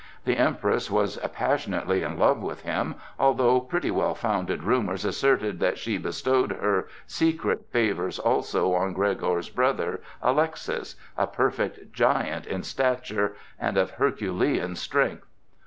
The Empress was passionately in love with him, although pretty well founded rumors asserted that she bestowed her secret favors also on Gregor's brother, Alexis, a perfect giant in stature and of herculean strength.